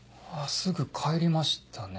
すぐ帰りましたね。